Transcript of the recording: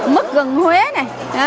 mức gần huế này